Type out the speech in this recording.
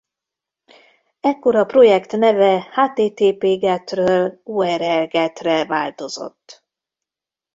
Ekkor a projekt neve httpget-ről urlget-re változott.